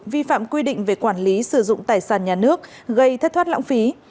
vi phạm quy định về quản lý sử dụng tài sản nhà nước gây thất thoát lãng phí